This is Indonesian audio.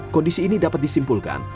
kondisi ini dapat disimpulkan